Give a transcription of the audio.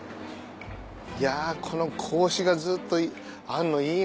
いやこの格子がずっとあるのいいな。